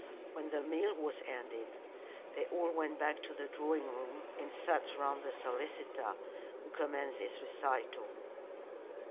When the meal was ended they all went back to the drawing room and sat round the solicitor, who commenced his recital.